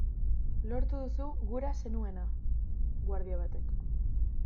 Lortu duzu gura zenuena!, guardia batek.